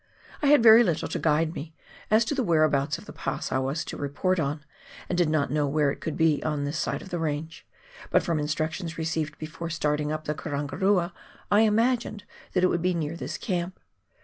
I had very little to guide me, as to the whereabouts of the pass I was to report on, and did not know where it would be on this side of the range ; but from instructions received before starting up the Karangarua, I imagined that it would be near this camp.